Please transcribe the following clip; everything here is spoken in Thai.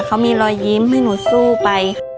เขามีรอยยิ้มให้หนูสู้ไป